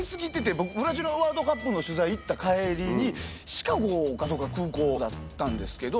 僕ブラジルワールドカップの取材行った帰りにシカゴかどっか空港だったんですけど。